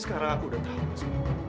sekarang aku udah tau mas